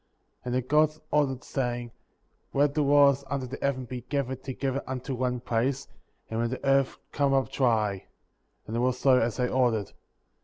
^ 9. And the Gods ordered, saying: Let the waters under the heaven be gathered together unto one place, and let the earth come up dry; and it was so as they ordered; 10.